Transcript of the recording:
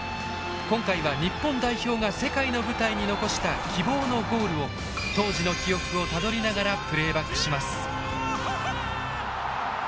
今回は日本代表が世界の舞台に残した希望のゴールを当時の記憶をたどりながらプレーバックします。